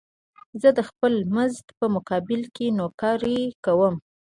زه د خپل مزد په مقابل کې نوکري کوم